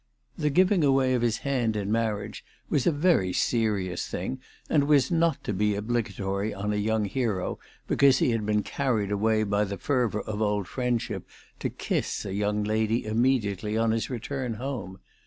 The giving away of his hand in marriage was a very serious thing, and was not to be obligatory on a young hero because he had been carried away by the fervour of old friendship to kiss a young lady immediately on his return home.